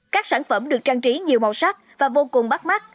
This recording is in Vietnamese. các sản phẩm được trang trí nhiều màu sắc và vô cùng bắt mắt